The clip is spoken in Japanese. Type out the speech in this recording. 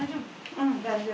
うん大丈夫。